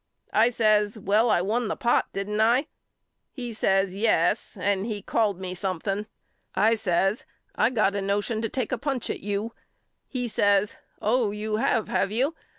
I says Well I won the pot didn't I? He says Yes and he called me something. I says I got a notion to take a punch at you. He says Oh you have have you?